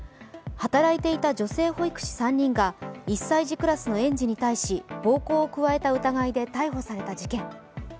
働いていた女性保育士３人が１歳児クラスの園児に対し暴行を加えた疑いで逮捕された事件。